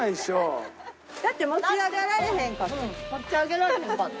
持ち上げられへんかった。